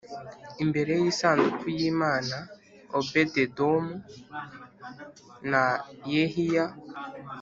imbere y isanduku y Imana Obededomu na Yehiya